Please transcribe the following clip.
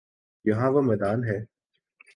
یہی وہ میدان ہے۔